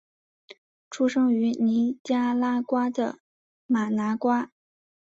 出生于尼加拉瓜的马拿瓜。